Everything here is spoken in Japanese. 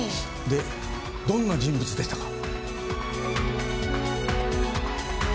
でどんな人物でしたか？